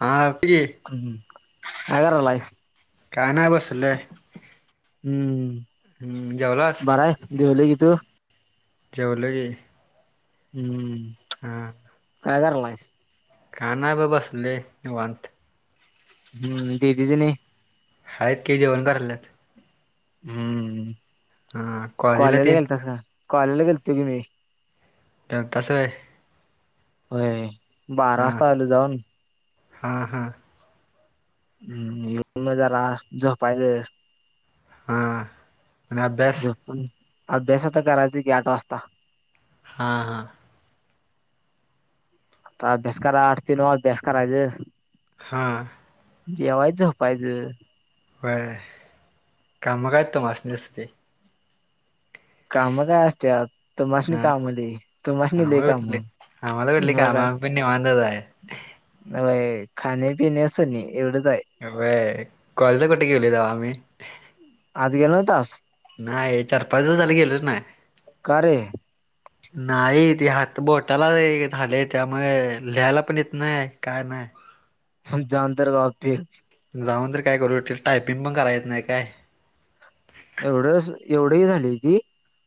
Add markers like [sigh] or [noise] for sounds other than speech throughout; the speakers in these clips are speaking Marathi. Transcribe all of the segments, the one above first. हा बोल की. हम्. काय करालायस? काय नाही बसलोय हम्म. हम्म जेवलास बरा आहेस? जेवलो की. तू? जेवलो की. हम्म. हा. काय करायलायस? काय नाही ब बसलोय निवांत. हम्म. दीदी टेनी? हायत की. जेवण कराल्यात. हम्म. हा कॉलेजला तेन गेलतास का? कॉलेला गेलतो की मी. गेलतास होय. होय बारा हा वाजता आलो जाऊन. हा हा. हम्म. मग येऊन जरा झोपायच. हा. आणि अभ्यास? अभ्यास आता करायच की आठ वाजता. हा हा. अभ्यास करा आठ ते नऊ अभ्यास करायचं. हा. जेवायचं झोपायच. होय. काम काय तूमासणी असतय. काम काय असत्यात? तुमासनी हा काम लई. तुमासनी लई आम्हाला काम. कुठली आम्हाला कुठली मग कामं काय. आम्ही पण निवांतच आहे होय. खाणे पिणे सोने एवडच आहे. होय. कॉलजला कुठे तवा मी. आज गेला नव्हतास? नाही. चार पाच दिवस झाल गेलोच नाही. का रे नाही. ते हात बोटाला झालय, त्यामुळे लिहायला पण येत नाही काय नाही. मग जाऊन तर काय उपयोग. जाऊन तर काय करू. टाय-टायपिंग पण कराय येत नाही काय. एवढं कस एवढ हे झालय ते.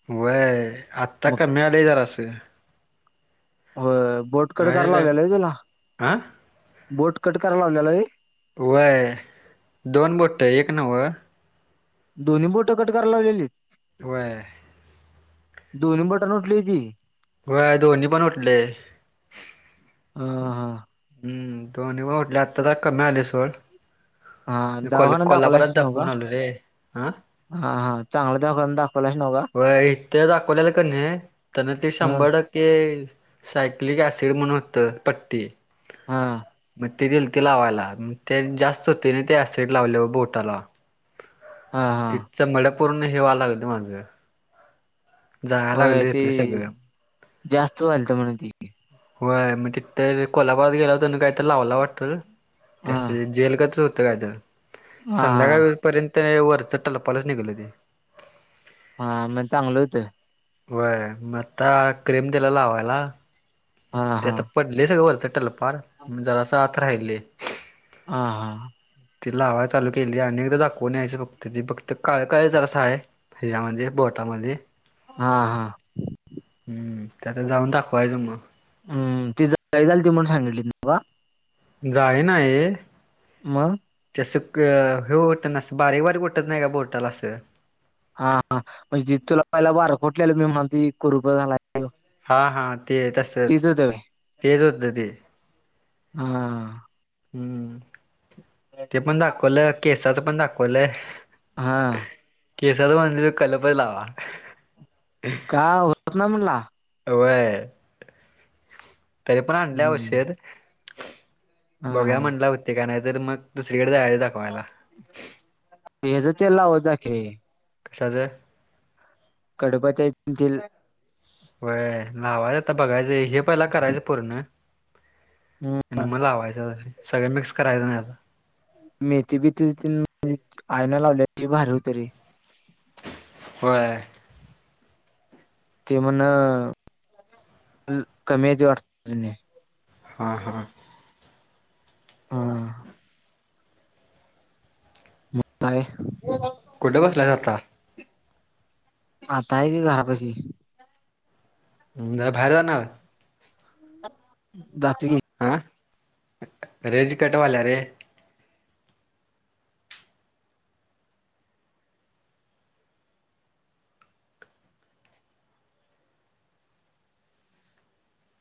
होय. आत्ता कमी आलय जरास. होय. बोट कट करायला लावलेल होय तुला? हा बोट कट कराय लावलेल होय? होय. दोन बोट एक नव्ह. दोन्ही बोटं कट करायला लावलेलीत? होय. दोन्ही बोटांना उठलय ते? होय. दोन्ही पण उठलय. हा हा हम्म. दोनि पण उठलय. आता जरा कमी आलय. हा दवाखाना कोल-कोल्हापरात दाखवलास नव दाखवून का आलोय रे हं हा हा चांगला दवाखाना दाखवलास नव का होय. इथ दाखवलेलं कणी त्यानं ते. हा शंभर टक्के सायक्लिक ऍसिड म्हणून होत पट्टी. हा. मग ते दिलती लावायला म ते जास्त होतय ना ते ऍसिड लावल्यावर बोटाला हा हा तिथ चंमड पूर्ण हे व्हाय लागलं माझ जलाय होय लागलं ते तिथल सगळ जास्त व्हालत म्हणून ती होय म तिथ कोल्हापुरात गेलो होतो, त्यांन कायतर लावला वाटत. त्या हा असं जेल कायतर होतं काय तर हा संध्याकाळ हा पर्यंत वरचं टरपालच निघलं ते हा म चांगलं होतं. व्हय म आता क्रीम दिला लावायला. हा ते हा आता पडलय सगळं वरच टलपार जरास आता राहिलय. हा हा ती लावाय चालू केलीय. आणि एकदा दाखवून यायच फक्त ती फक्त काळ काय जरासं हाय. हिजामध्ये बोटामध्ये हा हा हम्म, ते आता जाऊन दाखवायच म हम्म ती [unintelligible] झालती म्हणून सांगितली [unintelligible] जाळी नाय. म ते असं क हे होट अस बारीक बारीक उटत नाय का बोटाला असं हा हा म्हणजे तुला पहिला बार कोटल्याल मी म्हणतोय कुरुप झालाय. हा हा ते तसच, तीच होत काय तेज होतं ते हं हम्म, ते पण दाखवलं, केसाच पण दाखवलं. हा केसाच म्हणलं कलपचं लावा. हा होतचं ना म्हणला व्हय, तरी पण आणलय हम्म औषध हा बघूया म्हणला होते का नाय त मग दुसरीकड जायच दाखवायला. हेज तेल लावत जा की, कशाचं? कडपत्यातेल होय लावायचं आता बघायचं. हे पहिला करायचं पूर्ण. हम्म, आणि म लावायचं. सगळं मिक्स करायचं नाय आता मेथी बीती चं तेल आईन लावल्याती भारी होत रे होय ते म्हन कमी याज वाट [unintelligible] हा हां हा मग काय? कुठ बसलायसं आता आता हाय की, घरापाशी म बाहेर जाणारये जातो की, हं, रेंज कट वायल्या रे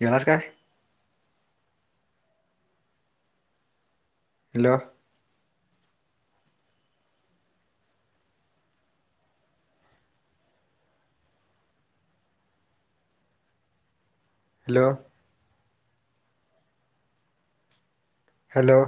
येणारेस काय? Hello hello. हॅलो.